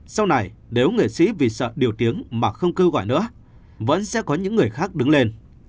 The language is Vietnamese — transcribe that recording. sau này nếu nghệ sĩ vì sợ điều tiếng mà không kêu gọi nữa vẫn sẽ có những người khác đứng lên